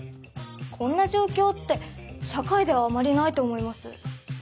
こんな状況って社会ではあまりないと思います。